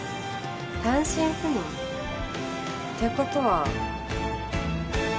単身赴任？って事は。